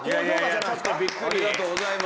ありがとうございます。